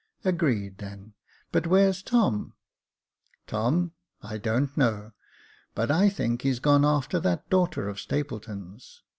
*' Agreed, then ; but where's Tom ?"" Tom, I don't know ; but I think he's gone after that daughter of Stapleton's.